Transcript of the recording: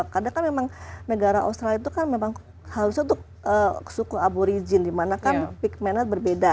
karena kan memang negara australia itu kan memang halusnya untuk suku aborigin di mana kan pigment nya berbeda